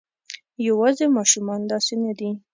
یواځې ماشومان داسې نه دي.